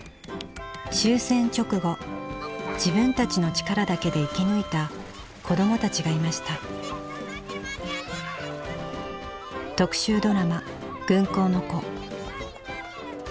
終戦直後自分たちの力だけで生き抜いた子どもたちがいました特集ドラマ「軍港の子」